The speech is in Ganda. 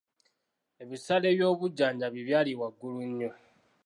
Ebisale by'obujjanjabi byali waggulu nnyo.